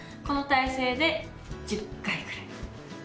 この体勢で１０回くらい。